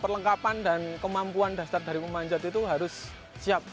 perlengkapan dan kemampuan dasar dari memanjat itu harus siap